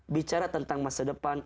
bicara tentang masa depan